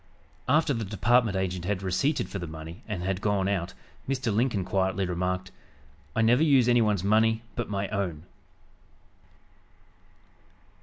After the department agent had receipted for the money and had gone out, Mr. Lincoln quietly remarked: "I never use anyone's money but my own."